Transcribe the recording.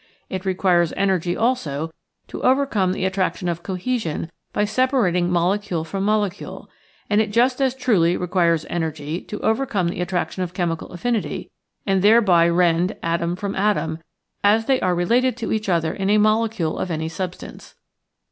It requires energy, also, to overcome tho attraction of cohesion by separating mole cule from molecule; and it just as truly re quires energy to overcome the attraction of chemical affinity and thereby rend atom from atom as they are related to each other in a molecule of any substance.